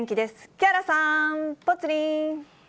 木原さん、ぽつリン。